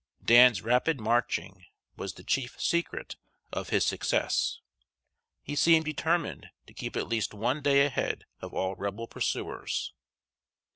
Dan's rapid marching was the chief secret of his success. He seemed determined to keep at least one day ahead of all Rebel pursuers.